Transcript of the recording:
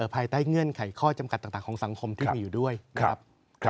ภายใต้เงื่อนไขข้อจำกัดต่างของสังคมที่มีอยู่ด้วยนะครับ